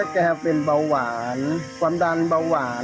แกเป็นเบาหวานความดันเบาหวาน